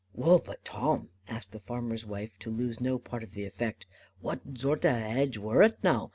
"Wull, but Tim," asked the farmer's wife, to lose no part of the effect, "what zort of a hadge wor it now?